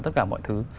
tất cả mọi thứ